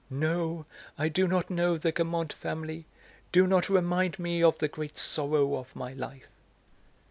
No, I do not know the Guermantes family. Do not remind me of the great sorrow of my life."